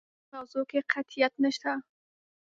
په دې موضوع کې قطعیت نشته.